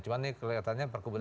cuma nih kelihatannya perkebunan